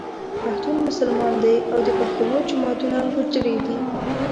پښتون مسلمان دی او د پښتنو جوماتونه او حجرې دي.